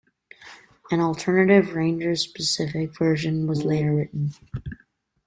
An alternative Rangers-specific version was later written.